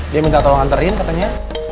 dia minta tolong nganterin katanya